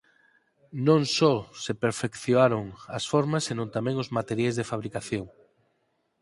Non só se perfeccionaron as formas senón tamén os materiais de fabricación.